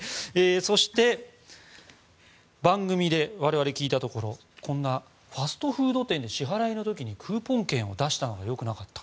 そして、番組で我々聞いたところファストフード店で支払いの時にクーポン券を出したのが良くなかった。